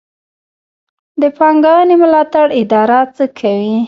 د پانګونې ملاتړ اداره څه کوي؟